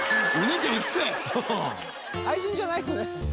愛人じゃないよね？